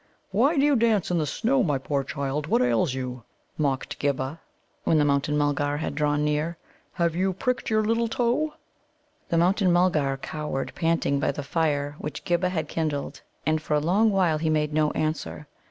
"Why do you dance in the snow, my poor child? What ails you?" mocked Ghibba, when the Mountain mulgar had drawn near. "Have you pricked your little toe?" The Mountain mulgar cowered panting by the fire which Ghibba had kindled. And for a long while he made no answer.